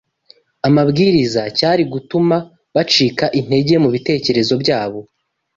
amabwiriza cyari gutuma bacika intege mu bitekerezo byabo